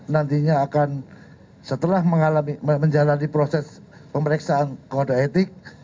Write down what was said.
nantinya akan setelah menjalani proses pemeriksaan kode etik